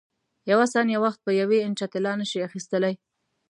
یوه ثانیه وخت په یوې انچه طلا نه شې اخیستلای.